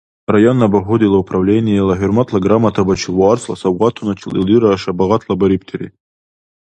Районна багьудила управлениела ХӀурматла грамотабачил ва арцла савгъатуначил илдира шабагъатлабарибтири.